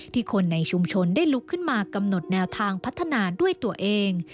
คนในชุมชนได้ลุกขึ้นมากำหนดแนวทางพัฒนาด้วยตัวเอง